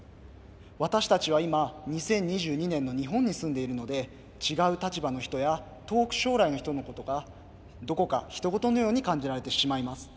私たちは今２０２２年の日本に住んでいるので違う立場の人や遠く将来の人のことがどこかひと事のように感じられてしまいます。